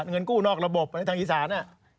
เงินกู้นอกระบบทางอีสาน